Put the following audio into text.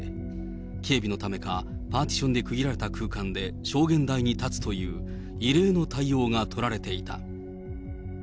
警備のためか、パーティションで区切られた空間で証言台に立つという、異例の対応が取られていた。